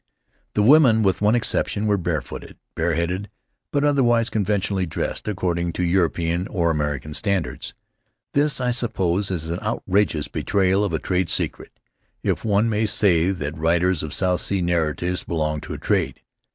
The women, with one exception, were barefooted, bareheaded, but otherwise conventionally dressed ac cording to European or American standards. This, I suppose, is an outrageous betrayal of a trade secret, if one may say that writers of South Sea narratives belong to a trade.